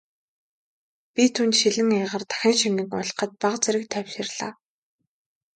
Би түүнд шилэн аягаар дахин шингэн уулгахад бага зэрэг тайвширлаа.